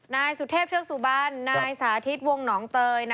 นี่มันประชาธิปัตธ์ทั้งนั้นนี่